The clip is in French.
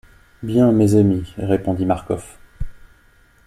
Bien, mes amis, répondit Marcof.